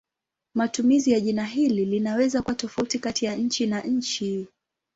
Matumizi ya jina hili linaweza kuwa tofauti kati ya nchi na nchi.